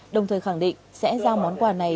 đồng thời khẳng định sẽ giao món quà này